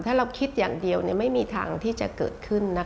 ถ้าเราคิดอย่างเดียวไม่มีทางที่จะเกิดขึ้น